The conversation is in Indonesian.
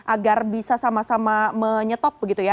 agar bisa sama sama menyetop begitu ya